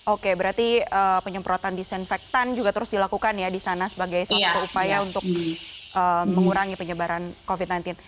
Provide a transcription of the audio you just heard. oke berarti penyemprotan disinfektan juga terus dilakukan ya di sana sebagai suatu upaya untuk mengurangi penyebaran covid sembilan belas